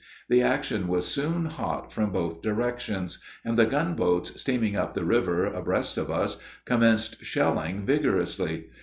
The action was soon hot from both directions, and the gunboats, steaming up the river abreast of us, commenced shelling vigorously.